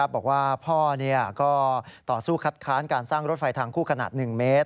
บอกว่าพ่อก็ต่อสู้คัดค้านการสร้างรถไฟทางคู่ขนาด๑เมตร